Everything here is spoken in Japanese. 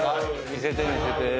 見せて見せて。